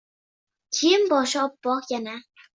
Kiyim-boshi oppoq yana